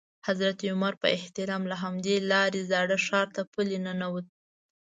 حضرت عمر په احترام له همدې لارې زاړه ښار ته پلی ننوت.